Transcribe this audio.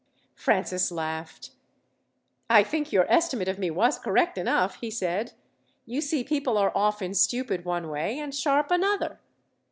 Francis laughed. "I think your estimate of me was correct enough," he said. "You see people are often stupid one way, and sharp another.